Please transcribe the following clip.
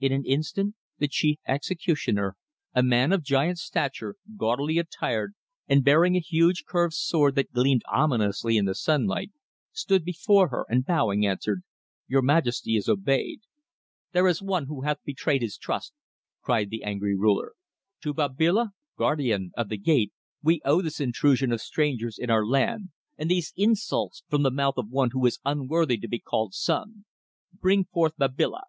In an instant the chief executioner, a man of giant stature, gaudily attired and bearing a huge curved sword that gleamed ominously in the sunlight, stood before her, and bowing, answered: "Your majesty is obeyed." "There is one who hath betrayed his trust," cried the angry ruler. "To Babila, guardian of the Gate, we owe this intrusion of strangers in our land and these insults from the mouth of one who is unworthy to be called son. Bring forth Babila."